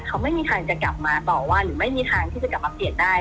เขาไม่มีทางจะกลับมาต่อว่าหรือไม่มีทางที่จะกลับมาเปลี่ยนได้